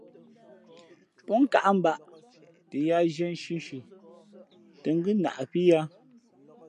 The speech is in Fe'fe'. Pō nkāʼ mbaʼ tα yāā zhiē nshinshi tᾱ ngʉ́ naʼpí yāā.